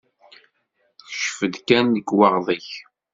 Kcef-d kan lekwaɣeḍ-ik.